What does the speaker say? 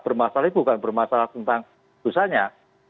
bermasalah bukan bermasalah tentang putusannya